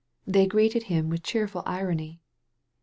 They greeted him with cheerful irony.